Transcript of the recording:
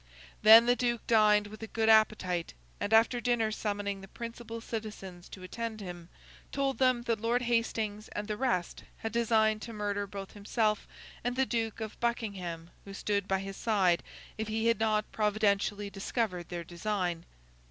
Then, the Duke dined with a good appetite, and after dinner summoning the principal citizens to attend him, told them that Lord Hastings and the rest had designed to murder both himself and the Duke if Buckingham, who stood by his side, if he had not providentially discovered their design.